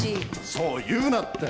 そう言うなって。